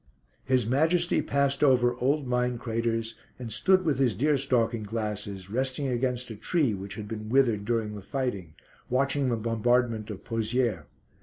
His Majesty passed over old mine craters, and stood with his deer stalking glasses, resting against a tree which had been withered during the fighting, watching the bombardment of Pozières.